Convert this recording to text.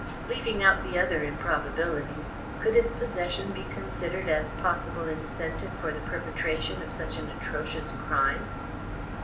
"Leaving out the other improbabilities, could its possession be considered as a possible incentive for the perpetration of such an atrocious crime?"